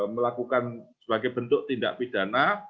melakukan sebagai bentuk tindak pidana